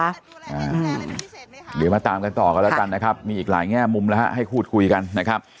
เดี๋ยวมาตามกันต่อกันแล้วกันนะครับมีอีกหลายแง่มุมแล้วฮะให้พูดคุยกันนะครับ